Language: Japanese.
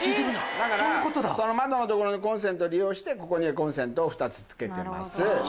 だからその窓の所のコンセントを利用してここにコンセントを２つ付けてます。